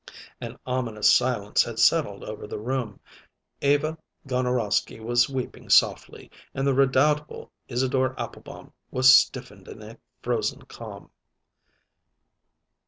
An ominous silence had settled over the room. Eva Gonorowsky was weeping softly, and the redoubtable Isidore Applebaum was stiffened in a frozen calm.